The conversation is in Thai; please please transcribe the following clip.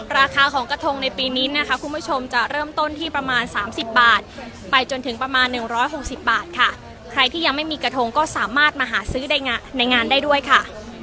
ราคาของกระทงในปีนี้นะคะคุณผู้ชมจะเริ่มต้นที่ประมาณ๓๐บาทไปจนถึงประมาณ๑๖๐บาทค่ะใครที่ยังไม่มีกระทงก็สามารถมาหาซื้อในงานได้ด้วยค่ะ